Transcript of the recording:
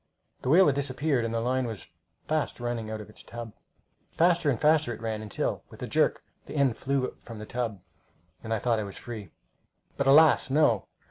The whale had disappeared, and the line was fast running out of its tub. Faster and faster it ran, until, with a jerk, the end flew from the tub, and I thought I was free. But alas, no!